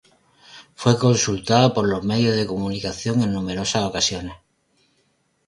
Fue consultada por los medios de comunicación en numerosas ocasiones.